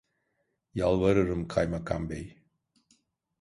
Yalvarırım kaymakam bey…